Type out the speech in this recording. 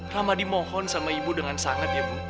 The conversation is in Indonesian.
rahmadi mohon sama ibu dengan sangat ya bu